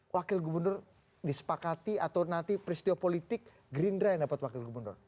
wakil gubernur disepakati atau nanti peristiwa politik gerindra yang dapat wakil gubernur